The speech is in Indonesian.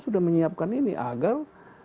sudah menyiapkan ini agar